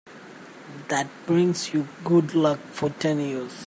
That brings you good luck for ten years.